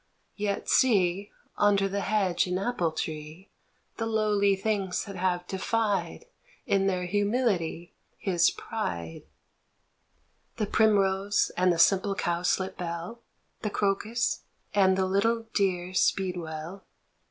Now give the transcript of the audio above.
Yet see Under the hedge and apple tree The lowly things that have defied In their humility his pride : The primrose and the simple cowslip bell, The crocus and the little dear speedwell